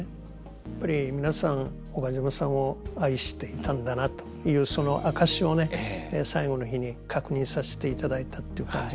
やっぱり皆さん岡島さんを愛していたんだなというその証しをね最後の日に確認させていただいたっていう感じがしました。